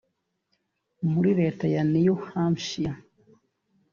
muri Leta ya New Hampshire